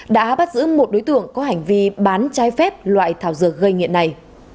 đã bắt giữ một đối tượng có hành vi bán trái phép loại thảo dược gây nghiện này